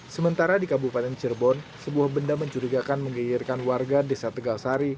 sementara di kabupaten cirebon sebuah benda mencurigakan menggeirkan warga desa tegal sari